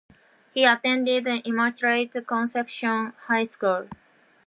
He attended Immaculate Conception High School.